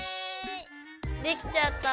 できちゃった！